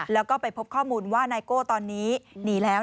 แล้วก็ไปพบข้อมูลว่านายโก้ตอนนี้หนีแล้ว